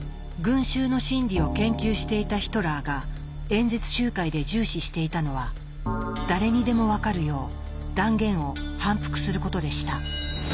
群衆の心理を研究していたヒトラーが演説集会で重視していたのは誰にでも分かるよう断言を反復することでした。